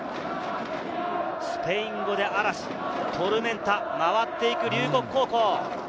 スペイン語で嵐、トルメンタ、回っていく龍谷高校。